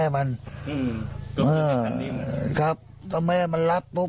มันไม่ยอมบอก